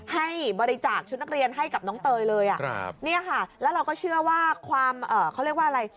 ให้บริจาคชุดนักเรียนให้กับน้องเตยเลยอ่ะครับเนี่ยค่ะแล้วเราก็เชื่อว่าความเขาเรียกว่าอะไร